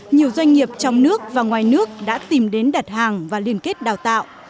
nhiều doanh nghiệp trong nước và ngoài nước đã tìm đến đặt hàng và liên kết đào tạo